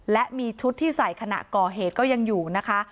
และมีชุดที่ใส่ขณะก่อเหตุก็ยังอยู่นะคะ